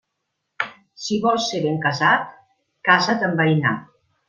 Si vols ser ben casat, casa't en veïnat.